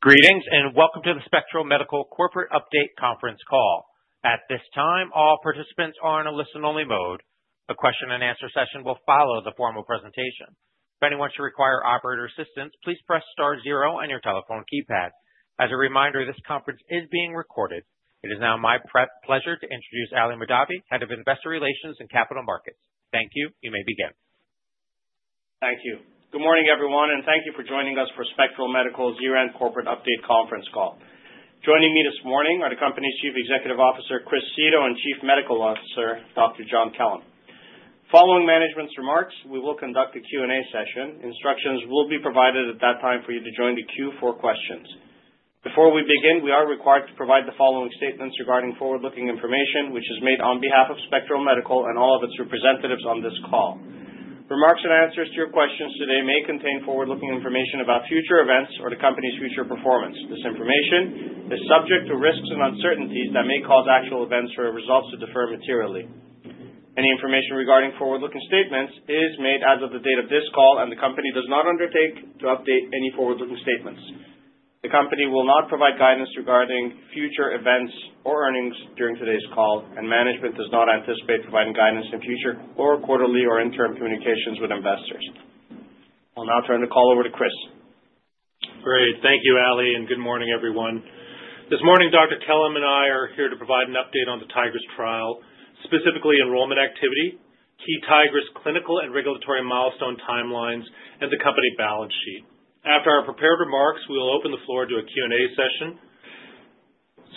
Greetings, welcome to the Spectral Medical Corporate conference call. It is now my pleasure to introduce Ali Mahdavi, Head of Investor Relations and Capital Markets. Thank you. You may begin. Thank you. Good morning, everyone, and thank you for joining us for Spectral Medical's year-end corporate update conference call. Joining me this morning are the company's Chief Executive Officer, Chris Seto, and Chief Medical Officer, Dr. John Kellum. Following management's remarks, we will conduct a Q&A session. Instructions will be provided at that time for you to join the queue for questions. Before we begin, we are required to provide the following statements regarding forward-looking information which is made on behalf of Spectral Medical and all of its representatives on this call. Remarks and answers to your questions today may contain forward-looking information about future events or the company's future performance. This information is subject to risks and uncertainties that may cause actual events or results to differ materially. Any information regarding forward-looking statements is made as of the date of this call. The company does not undertake to update any forward-looking statements. The company will not provide guidance regarding future events or earnings during today's call. Management does not anticipate providing guidance in future or quarterly or interim communications with investors. I'll now turn the call over to Chris. Great. Thank you, Ali, and good morning, everyone. This morning, Dr. Kellum and I are here to provide an update on the Tigris trial, specifically enrollment activity, key Tigris clinical and regulatory milestone timelines, and the company balance sheet. After our prepared remarks, we will open the floor to a Q&A session.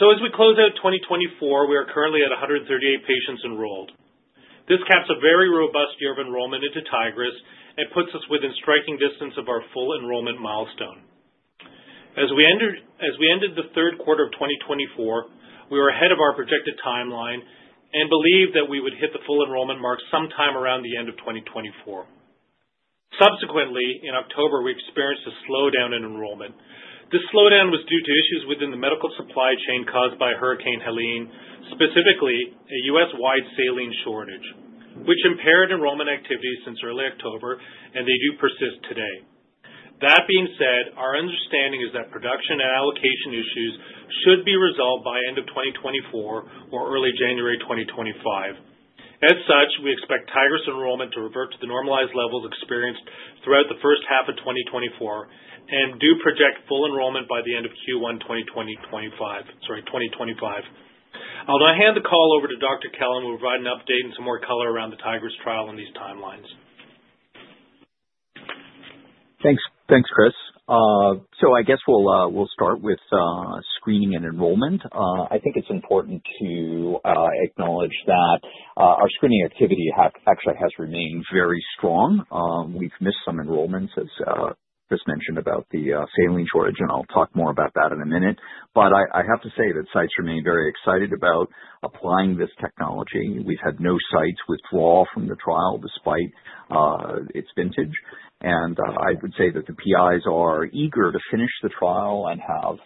As we close out 2024, we are currently at 138 patients enrolled. This caps a very robust year of enrollment into Tigris and puts us within striking distance of our full enrollment milestone. As we ended the Q3 of 2024, we were ahead of our projected timeline and believed that we would hit the full enrollment mark sometime around the end of 2024. Subsequently, in October, we experienced a slowdown in enrollment. This slowdown was due to issues within the medical supply chain caused by Hurricane Helene, specifically a U.S.-wide saline shortage, which impaired enrollment activities since early October, and they do persist today. That being said, our understanding is that production and allocation issues should be resolved by end of 2024 or early January 2025. As such, we expect TIGRIS enrollment to revert to the normalized levels experienced throughout the first half of 2024 and do project full enrollment by the end of Q1 2025. I'll now hand the call over to Dr. Kellum, who will provide an update and some more color around the TIGRIS trial and these timelines. Thanks, Chris. I guess we'll start with screening and enrollment. I think it's important to acknowledge that our screening activity actually has remained very strong. We've missed some enrollments, as Chris mentioned about the saline shortage, and I'll talk more about that in a minute. I have to say that sites remain very excited about applying this technology. We've had no sites withdraw from the trial despite its vintage. I would say that the PIs are eager to finish the trial and have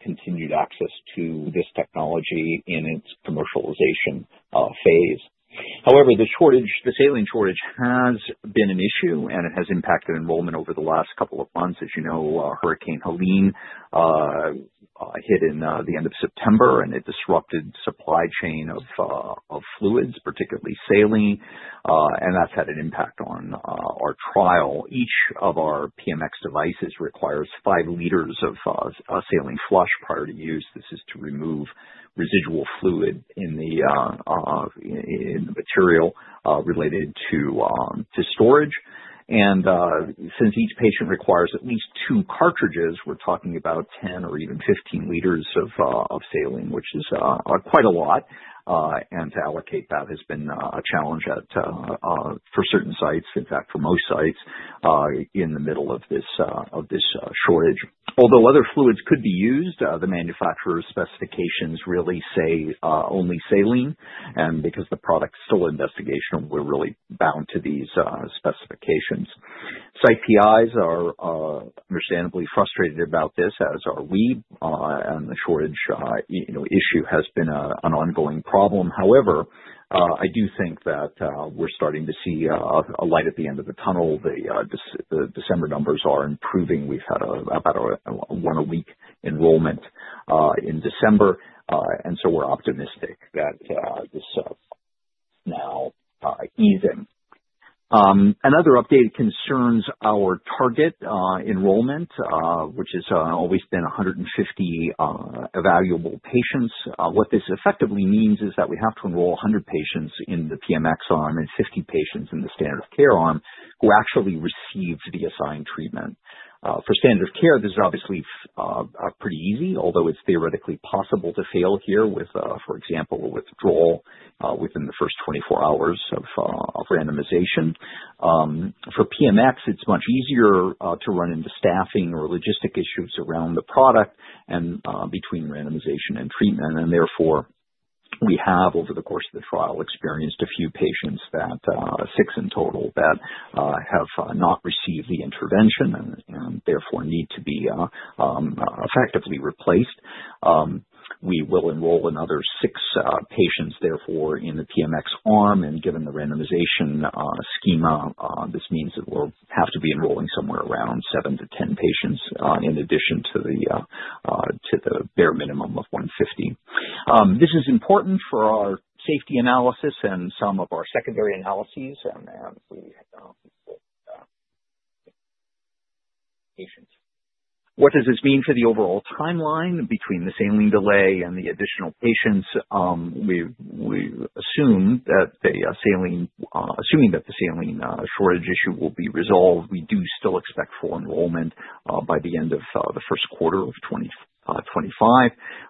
continued access to this technology in its commercialization phase. However, the saline shortage has been an issue, and it has impacted enrollment over the last couple of months. As you know, Hurricane Helene hit in the end of September, and it disrupted supply chain of fluids, particularly saline, and that's had an impact on our trial. Each of our PMX devices requires five liters of saline flush prior to use. This is to remove residual fluid in the material related to storage. Since each patient requires at least two cartridges, we're talking about 10 or even 15 liters of saline, which is quite a lot. To allocate that has been a challenge for certain sites, in fact, for most sites, in the middle of this shortage. Although other fluids could be used, the manufacturer's specifications really say only saline. Because the product's still investigational, we're really bound to these specifications. Site PIs are understandably frustrated about this, as are we. The shortage issue has been an ongoing problem. However, I do think that we're starting to see a light at the end of the tunnel. The December numbers are improving. We've had about a one-a-week enrollment in December. We're optimistic that this is now easing. Another update concerns our target enrollment, which has always been 150 evaluable patients. What this effectively means is that we have to enroll 100 patients in the PMX arm and 50 patients in the standard of care arm who actually receive the assigned treatment. For standard of care, this is obviously pretty easy, although it's theoretically possible to fail here with, for example, a withdrawal within the first 24 hours of randomization. For PMX, it's much easier to run into staffing or logistic issues around the product and between randomization and treatment. Therefore, we have, over the course of the trial, experienced a few patients, six in total, that have not received the intervention and therefore need to be effectively replaced. We will enroll another six patients, therefore, in the PMX arm, and given the randomization schema, this means that we'll have to be enrolling somewhere around 7- 10 patients in addition to the bare minimum of 150. This is important for our safety analysis and some of our secondary analyses. What does this mean for the overall timeline between the saline delay and the additional patients? Assuming that the saline shortage issue will be resolved, we do still expect full enrollment by the end of the Q1 of 2025,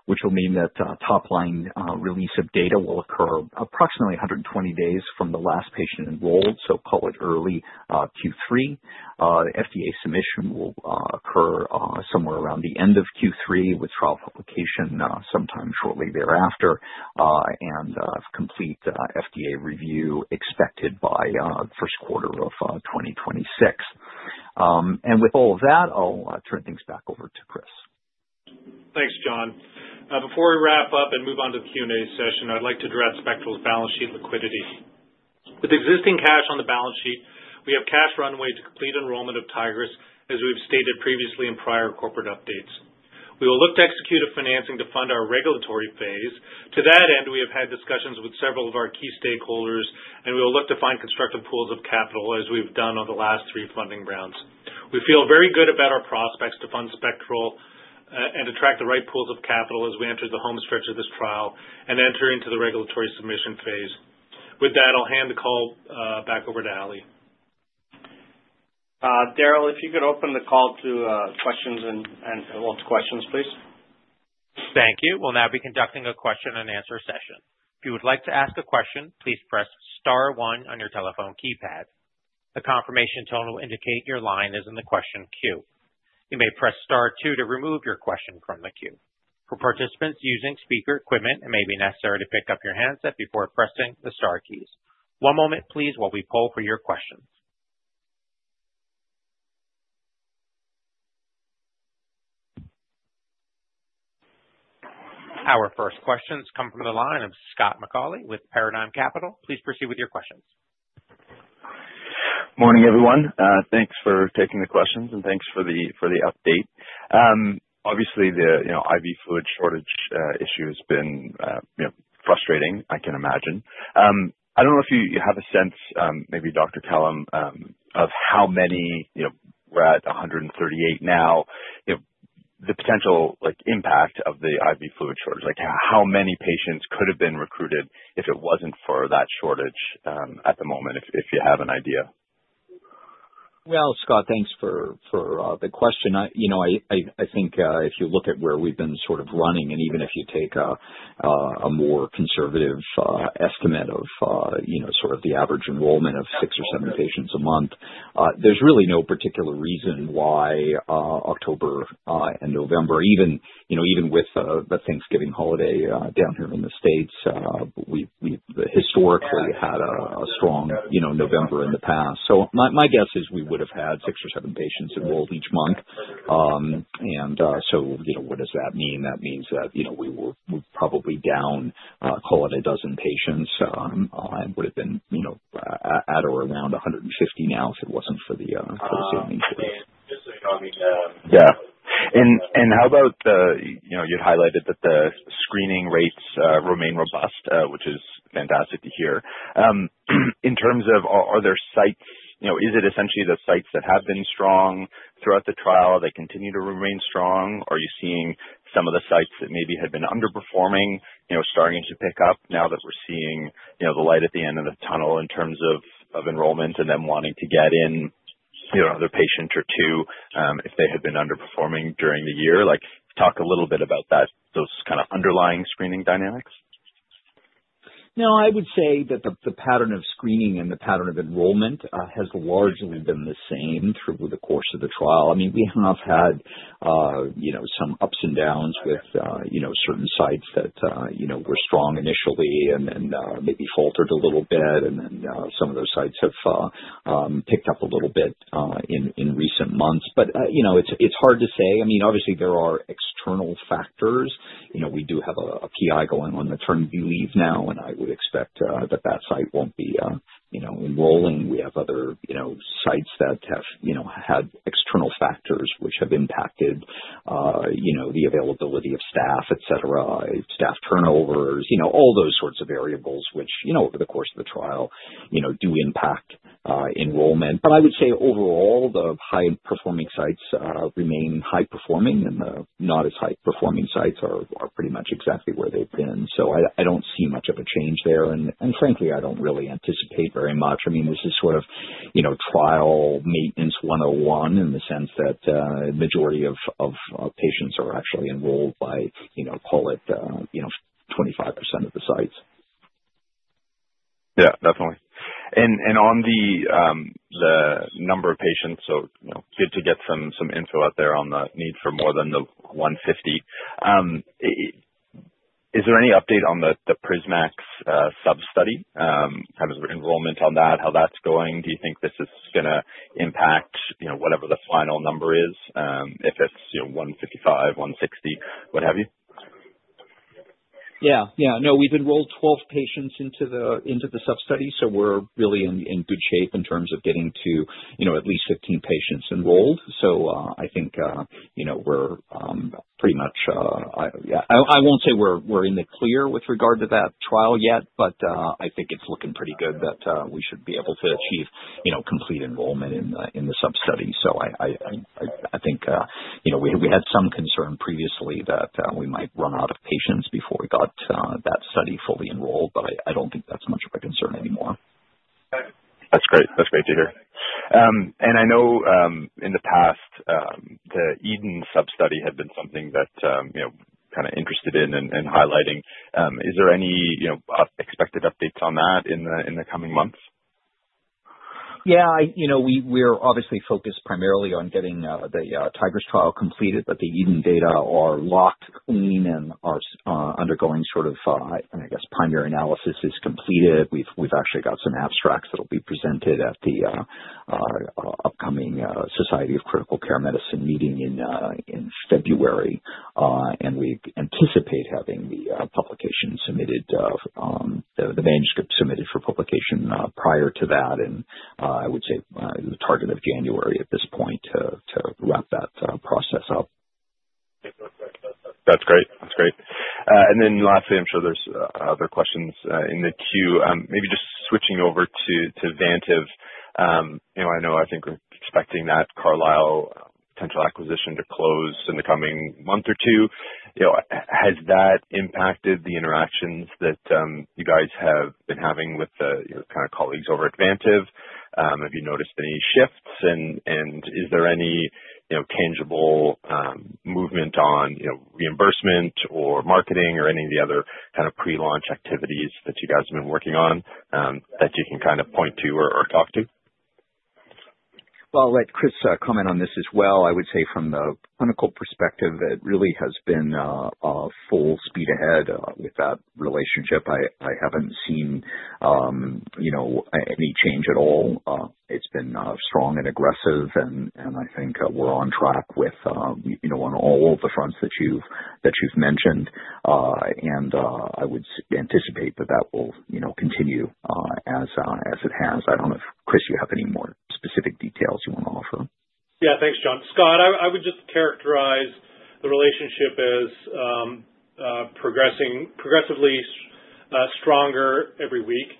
which will mean that top-line release of data will occur approximately 120 days from the last patient enrolled, so call it early Q3. The FDA submission will occur somewhere around the end of Q3 with trial publication sometime shortly thereafter, and a complete FDA review expected by first quarter of 2026. With all of that, I'll turn things back over to Chris. Thanks, John. Before we wrap up and move on to the Q&A session, I'd like to address Spectral's balance sheet liquidity. With existing cash on the balance sheet, we have cash runway to complete enrollment of Tigris, as we've stated previously in prior corporate updates. We will look to execute a financing to fund our regulatory phase. To that end, we have had discussions with several of our key stakeholders, and we will look to find constructive pools of capital as we've done on the last three funding rounds. We feel very good about our prospects to fund Spectral, and attract the right pools of capital as we enter the home stretch of this trial and enter into the regulatory submission phase. With that, I'll hand the call back over to Ali. Darrell, if you could open the call to questions and field questions, please. Thank you. We'll now be conducting a question and answer session. If you would like to ask a question, please press star one on your telephone keypad. A confirmation tone will indicate your line is in the question queue. You may press star two to remove your question from the queue. For participants using speaker equipment, it may be necessary to pick up your handset before pressing the star keys. One moment please while we poll for your questions. Our first questions come from the line of Scott McAuley with Paradigm Capital. Please proceed with your questions. Morning, everyone. Thanks for taking the questions and thanks for the update. Obviously, the IV fluid shortage issue has been frustrating, I can imagine. I don't know if you have a sense, maybe Dr. Kellum, of how many, we're at 138 now, the potential impact of the IV fluid shortage. How many patients could have been recruited if it wasn't for that shortage at the moment, if you have an idea? Well, Scott, thanks for the question. I think if you look at where we've been sort of running, even if you take a more conservative estimate of the average enrollment of six or seven patients a month, there's really no particular reason why October and November, even with the Thanksgiving holiday down here in the U.S. We historically had a strong November in the past. My guess is we would have had six or seven patients enrolled each month. What does that mean? That means that we're probably down, call it a dozen patients and would have been at or around 150 now if it wasn't for the saline shortage. Yeah. You highlighted that the screening rates remain robust, which is fantastic to hear. Is it essentially the sites that have been strong throughout the trial, they continue to remain strong? Are you seeing some of the sites that maybe had been underperforming starting to pick up now that we're seeing the light at the end of the tunnel in terms of enrollment and them wanting to get in another patient or two if they had been underperforming during the year? Talk a little bit about those kind of underlying screening dynamics. I would say that the pattern of screening and the pattern of enrollment has largely been the same through the course of the trial. We have had some ups and downs with certain sites that were strong initially and then maybe faltered a little bit, and then some of those sites have picked up a little bit in recent months. It's hard to say. Obviously, there are external factors. We do have a PI going on maternity leave now, and I would expect that that site won't be enrolling. We have other sites that have had external factors which have impacted the availability of staff, et cetera, staff turnovers, all those sorts of variables, which over the course of the trial do impact enrollment. I would say overall, the high-performing sites remain high-performing and the not as high-performing sites are pretty much exactly where they've been. I don't see much of a change there, and frankly, I don't really anticipate very much. This is sort of trial maintenance 101 in the sense that a majority of patients are actually enrolled by, call it 25% of the sites. Yeah, definitely. On the number of patients, good to get some info out there on the need for more than the 150. Is there any update on the PrisMax sub-study? Kind of enrollment on that, how that's going? Do you think this is going to impact whatever the final number is? If it's 155, 160, what have you? Yeah. No, we've enrolled 12 patients into the sub-study, so we're really in good shape in terms of getting to at least 15 patients enrolled. I think we're pretty much I won't say we're in the clear with regard to that trial yet, but I think it's looking pretty good that we should be able to achieve complete enrollment in the sub-study. I think we had some concern previously that we might run out of patients before we got that study fully enrolled, but I don't think that's much of a concern anymore. That's great to hear. I know in the past, the EDEN sub-study had been something that kind of interested in and highlighting. Is there any expected updates on that in the coming months? Yeah. We're obviously focused primarily on getting the Tigris trial completed, but the EDEN data are locked, clean, and are undergoing sort of, I guess, primary analysis is completed. We've actually got some abstracts that'll be presented at the upcoming Society of Critical Care Medicine meeting in February. We anticipate having the manuscript submitted for publication prior to that and I would say the target of January at this point to wrap that process up. That's great. Lastly, I'm sure there's other questions in the queue. Maybe just switching over to Vantive. I know I think we're expecting that Carlyle potential acquisition to close in the coming month or two. Has that impacted the interactions that you guys have been having with the kind of colleagues over at Vantive? Have you noticed any shifts? Is there any tangible movement on reimbursement or marketing or any of the other kind of pre-launch activities that you guys have been working on that you can kind of point to or talk to? Well, I'll let Chris comment on this as well. I would say from the clinical perspective, it really has been full speed ahead with that relationship. I haven't seen any change at all. It's been strong and aggressive, and I think we're on track on all the fronts that you've mentioned. I would anticipate that that will continue as it has. I don't know if, Chris, you have any more specific details you want to offer. Yeah. Thanks, John. Scott, I would just characterize the relationship as progressively stronger every week.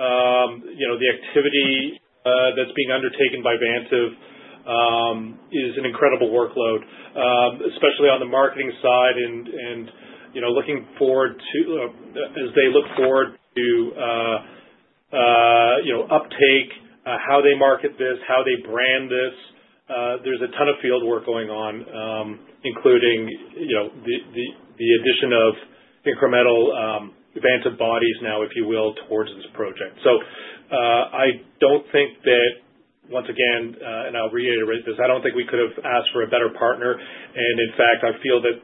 The activity that's being undertaken by Vantive is an incredible workload, especially on the marketing side and as they look forward to uptake, how they market this, how they brand this. There's a ton of field work going on, including the addition of incremental Vantive bodies now, if you will, towards this project. I don't think that, once again, and I'll reiterate this, I don't think we could have asked for a better partner. In fact, I feel that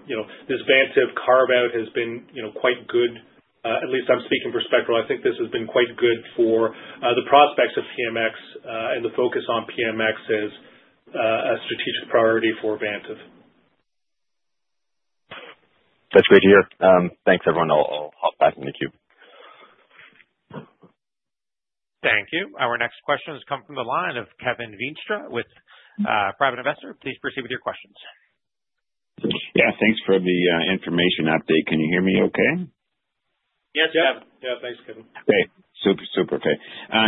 this Vantive carve-out has been quite good. At least I'm speaking for Spectral. I think this has been quite good for the prospects of PMX, and the focus on PMX as a strategic priority for Vantive. That's great to hear. Thanks, everyone. I'll hop back in the queue. Thank you. Our next question has come from the line of Kevin Veenstra with Private Investor. Please proceed with your questions. Yeah. Thanks for the information update. Can you hear me okay? Yes. Yeah. Thanks, Kevin. Great. Super okay.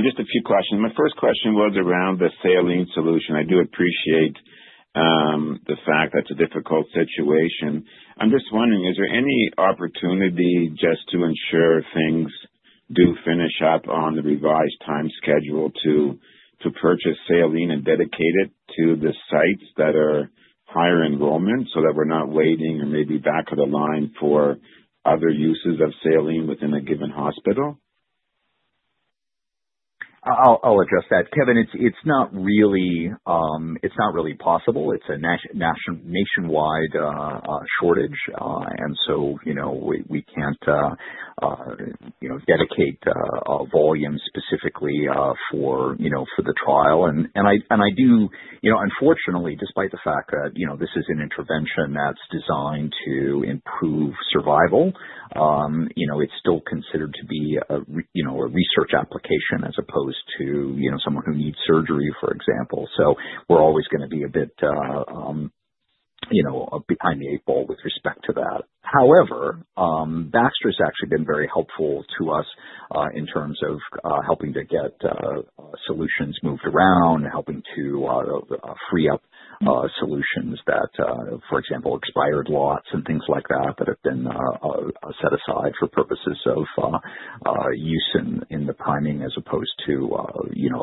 Just a few questions. My first question was around the saline solution. I do appreciate the fact that is a difficult situation. I am just wondering, is there any opportunity just to ensure things do finish up on the revised time schedule to purchase saline and dedicate it to the sites that are higher enrollment, so that we are not waiting or maybe back of the line for other uses of saline within a given hospital? I'll address that. Kevin, it's not really possible. It's a nationwide shortage, we can't dedicate volume specifically for the trial. Unfortunately, despite the fact that this is an intervention that's designed to improve survival, it's still considered to be a research application as opposed to someone who needs surgery, for example. We're always going to be a bit behind the eight ball with respect to that. However, Baxter's actually been very helpful to us in terms of helping to get solutions moved around, helping to free up solutions that, for example, expired lots and things like that that have been set aside for purposes of use in the priming as opposed to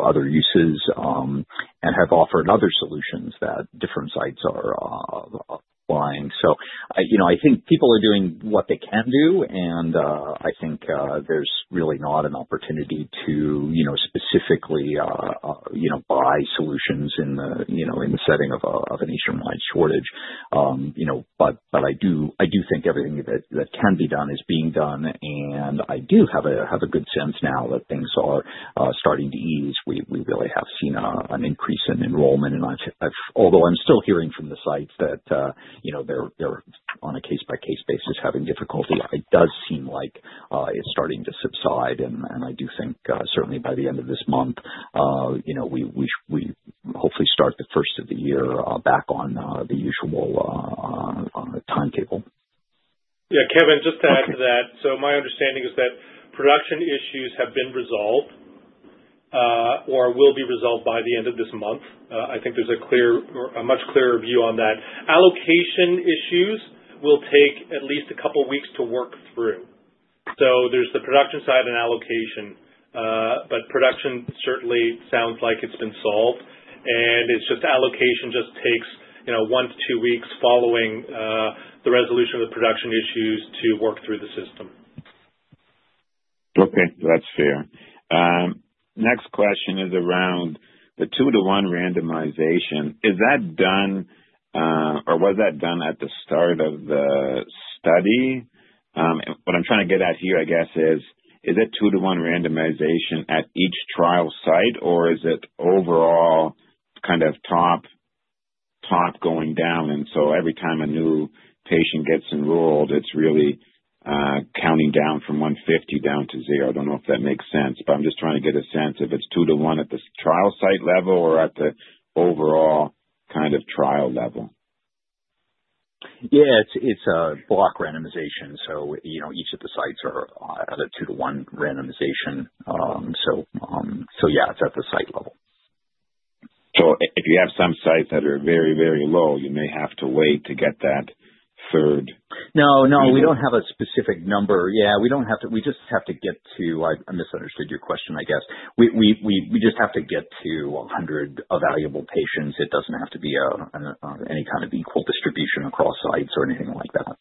other uses and have offered other solutions that different sites are applying. I think people are doing what they can do, and I think there's really not an opportunity to specifically buy solutions in the setting of a nationwide shortage. I do think everything that can be done is being done, and I do have a good sense now that things are starting to ease. We really have seen an increase in enrollment. Although I'm still hearing from the sites that they're, on a case-by-case basis, having difficulty. It does seem like it's starting to subside, and I do think, certainly by the end of this month, we hopefully start the first of the year back on the usual timetable. Kevin, just to add to that. My understanding is that production issues have been resolved or will be resolved by the end of this month. I think there's a much clearer view on that. Allocation issues will take at least a couple of weeks to work through. There's the production side and allocation. Production certainly sounds like it's been solved, and it's just allocation just takes one to two weeks following the resolution of the production issues to work through the system. Okay. That's fair. Next question is around the two-one randomization. Is that done, or was that done at the start of the study? What I'm trying to get at here, I guess is it two-one randomization at each trial site, or is it overall kind of top going down, and so every time a new patient gets enrolled, it's really counting down from 150 down to 0. I don't know if that makes sense. I'm just trying to get a sense if it's two-one at the trial site level or at the overall kind of trial level. Yeah. It's a block randomization, each of the sites are at a two-one randomization. Yeah, it's at the site level. If you have some sites that are very, very low, you may have to wait to get that third- No, we don't have a specific number. Yeah, I misunderstood your question, I guess. We just have to get to 100 evaluable patients. It doesn't have to be any kind of equal distribution across sites or anything like that.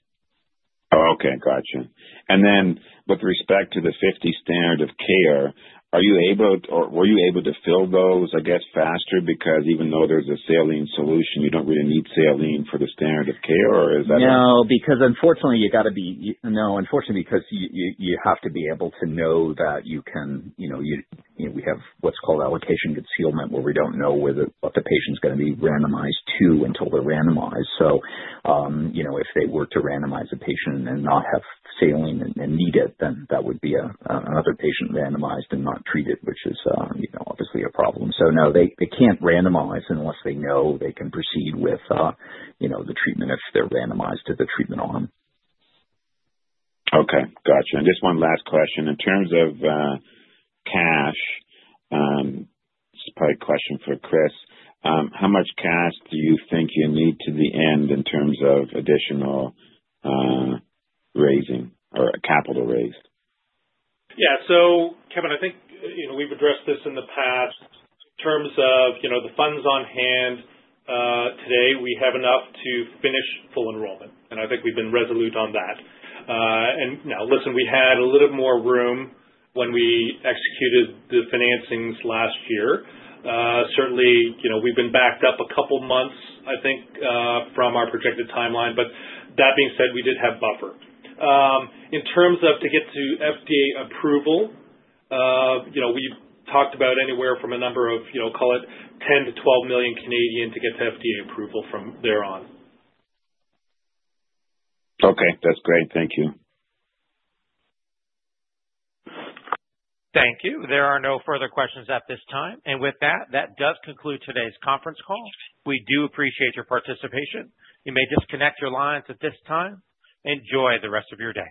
Oh, okay. Got you. Then with respect to the 50 standard of care, were you able to fill those, I guess, faster because even though there's a saline solution, you don't really need saline for the standard of care? No, unfortunately, because you have to be able to know that we have what's called allocation concealment, where we don't know what the patient's going to be randomized to until they're randomized. If they were to randomize a patient and not have saline and need it, then that would be another patient randomized and not treated, which is obviously a problem. No, they can't randomize unless they know they can proceed with the treatment if they're randomized to the treatment arm. Okay. Got you. Just one last question. In terms of cash, this is probably a question for Chris. How much cash do you think you need to the end in terms of additional raising or capital raise? Yeah. Kevin, I think we've addressed this in the past. In terms of the funds on hand, today, we have enough to finish full enrollment, and I think we've been resolute on that. Now, listen, we had a little bit more room when we executed the financings last year. Certainly, we've been backed up a couple months from our projected timeline. That being said, we did have buffer. In terms of to get to FDA approval, we've talked about anywhere from a number of, call it, 10 million-12 million to get to FDA approval from thereon. Okay. That's great. Thank you. Thank you. There are no further questions at this time. With that does conclude today's conference call. We do appreciate your participation. You may disconnect your lines at this time. Enjoy the rest of your day.